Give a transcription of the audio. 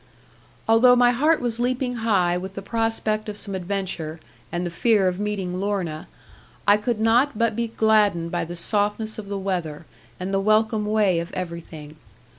Although my heart was leaping high with the prospect of some adventure, and the fear of meeting Lorna, I could not but be gladdened by the softness of the weather, and the welcome way of everything.